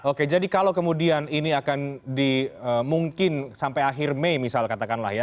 oke jadi kalau kemudian ini akan dimungkin sampai akhir mei misal katakanlah ya